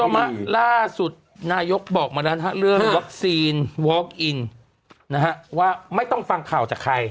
มาล่าสุดนายกบอกมาแล้วนะฮะเรื่องวัคซีนวอล์อินนะฮะว่าไม่ต้องฟังข่าวจากใคร